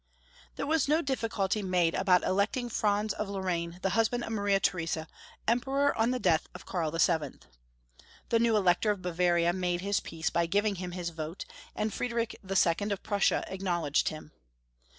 T^HERE was no difficulty made about electing •* Franz of Lorraine, the husband of Maria Theresa, Emperor on the death of Karl VII. The new Elector of Bavaria made his peace by giving him his vote, and Friedrich II. of Prussia acknowl edged him.